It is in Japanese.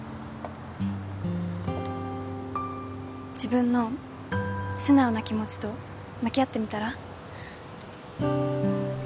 自分の素直な気持ちと向き合ってみたら？